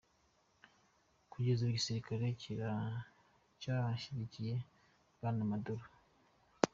Kugeza ubu igisirikare kiracyashyigikiye Bwana Maduro.